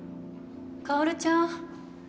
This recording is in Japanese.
・薫ちゃん。